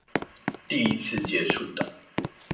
第一次接觸到